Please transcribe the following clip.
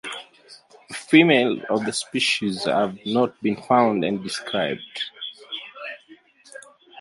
Females of the species have not been found and described.